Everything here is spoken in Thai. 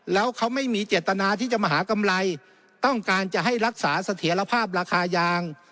แล้วเขาไม่มีเจตนาที่จะมาหากำไรต้องการจะให้รักษาเสถียรภาพราคายาง